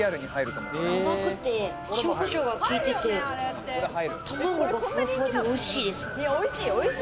甘くて、塩コショウが効いてて、卵がふわふわでおいしいです。